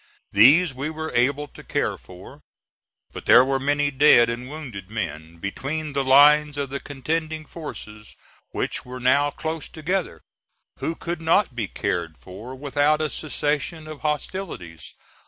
These we were able to care for. But there were many dead and wounded men between the lines of the contending forces, which were now close together, who could not be cared for without a cessation of hostilities.